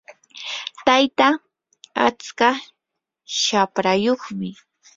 tayta atska shaprayuqmi.